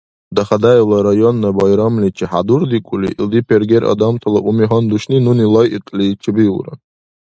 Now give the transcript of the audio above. Дахадаевла районна байрамличи хӀядурдикӀули, илди пергер адамтала уми гьандушни нуни лайикьли чебиулра.